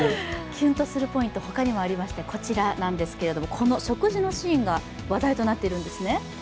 キュンとするポイント、他にもありまして、この食事のシーンが話題となっているんですね。